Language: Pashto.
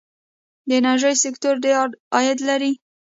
د انرژۍ سکتور ډیر عاید لري.